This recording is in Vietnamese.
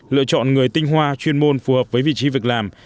lựa chọn người tinh hoa chuyên môn phù hợp với vị trí việc làm